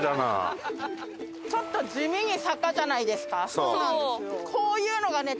ちょっと地味に坂じゃないですか？